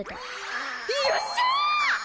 よっしゃー！